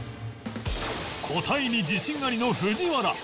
答えに自信ありの藤原